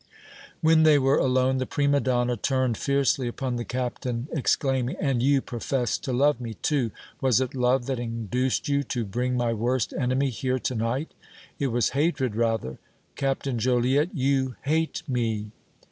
When they were alone, the prima donna turned fiercely upon the Captain, exclaiming: "And you profess to love me, too! Was it love that induced you to bring my worst enemy here to night? It was hatred rather! Captain Joliette, you hate me!"